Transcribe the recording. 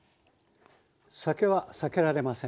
酒は「さけ」られません。